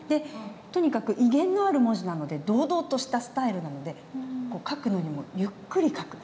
とにかく威厳のある文字なので堂々としたスタイルなので書くのにもゆっくり書く。